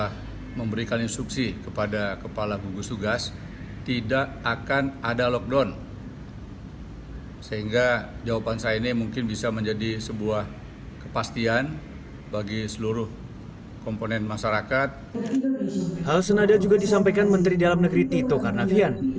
hal senada juga disampaikan menteri dalam negeri tito karnavian